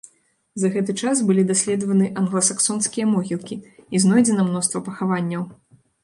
За гэты час былі даследаваны англасаксонскія могілкі і знойдзена мноства пахаванняў.